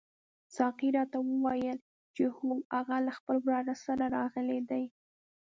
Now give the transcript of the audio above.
ساقي راته وویل چې هو هغه له خپل وراره سره راغلی دی.